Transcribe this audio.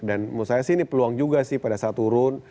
dan menurut saya sih ini peluang juga sih pada saat turun